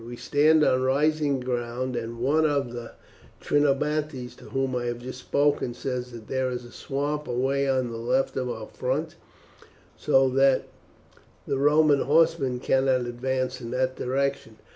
"We stand on rising ground, and one of the Trinobantes to whom I have just spoken says that there is a swamp away on the left of our front, so that the Roman horsemen cannot advance in that direction.